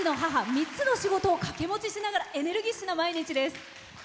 ３つの仕事を掛け持ちしながらエネルギッシュな毎日です。